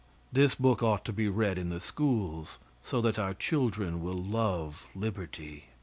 This book ought to be read in the schools, so that our children will love liberty.